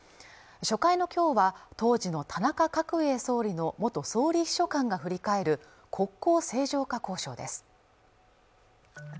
初回の今日は当時の田中角栄総理の元総理秘書官が振り返る国交正常化交渉です